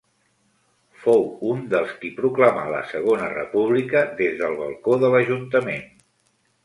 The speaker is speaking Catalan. Fou un dels qui proclamà la Segona República des del balcó de l'ajuntament.